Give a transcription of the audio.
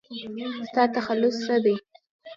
ستا تخلص څه دی ؟